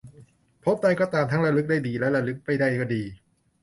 ภพใด ก็ตาม ทั้งระลึกได้ก็ดีและระลึกไม่ได้ก็ดี